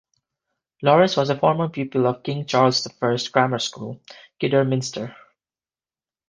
Lawrence was a former pupil of King Charles the First Grammar School, Kidderminster.